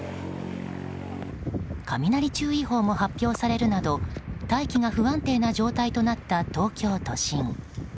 雷注意報も発表されるなど大気が不安定な状態となった東京都心。